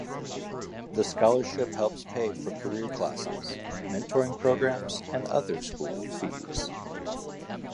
The scholarship helps pay for career classes, mentoring programs, and other school fees.